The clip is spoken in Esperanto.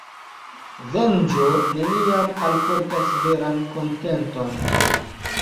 Venĝo neniam alportas veran kontenton.